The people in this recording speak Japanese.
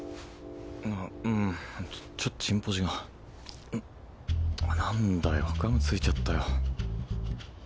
あうんちょっとちんポジが何だよガムついちゃったよ